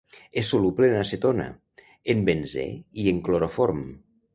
És soluble en acetona, en benzè i en cloroform.